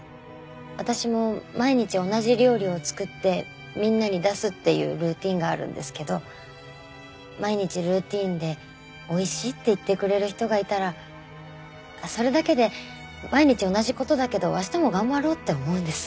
私も毎日同じ料理を作ってみんなに出すっていうルーティンがあるんですけど毎日ルーティンでおいしいって言ってくれる人がいたらそれだけで毎日同じ事だけど明日も頑張ろうって思うんです。